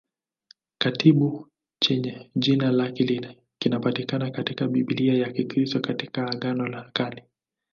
Kitabu chenye jina lake kinapatikana katika Biblia ya Kikristo katika Agano la Kale.